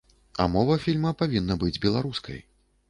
А мова фільма павінна быць беларускай.